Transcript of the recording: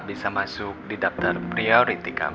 bisa masuk di daftar priority kami